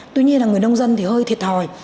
tuy nhiên là người nông dân thì hơi thiệt hỏi